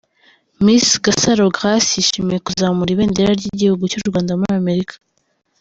Miss Gasaro Grace yishimiye kuzamura ibendera ry'igihugu cy'u Rwanda muri Amerika.